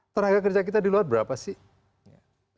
tenaga kerja kita di luar berapa sih